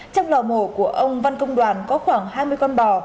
trong lò mổ của ông văn công đoàn có khoảng hai mươi con bò